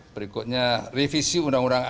berikutnya revisi undang undang